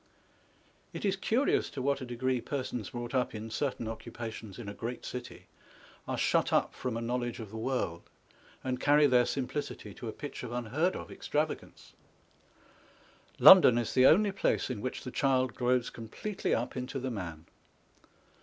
It is curious to what a degree persons brought up in certain occupations in a great city, are shut up from a knowledge of the world, and carry their simplicity to a pitch of unheard of extravagance. London is the only place in which the child grows completely up into the man.